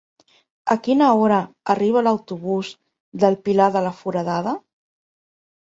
A quina hora arriba l'autobús del Pilar de la Foradada?